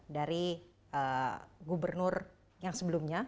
dari gubernur yang sebelumnya